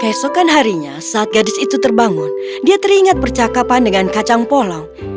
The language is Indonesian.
keesokan harinya saat gadis itu terbangun dia teringat percakapan dengan kacang polong